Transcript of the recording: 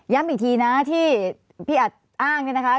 อีกทีนะที่พี่อัดอ้างเนี่ยนะคะ